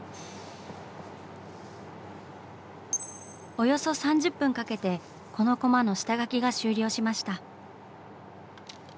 およそ３０分かけてこのコマの下描きが終了しました。